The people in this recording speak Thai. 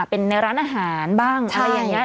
เป็นในร้านอาหารบ้างอะไรอย่างนี้